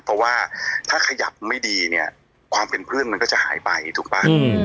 เพราะว่าถ้าขยับไม่ดีเนี่ยความเป็นเพื่อนมันก็จะหายไปถูกป่ะ